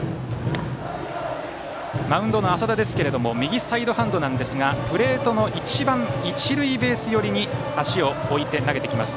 マウンドの淺田ですが右サイドハンドなんですがプレートの一番一塁ベース寄りに足を置いて投げてきます。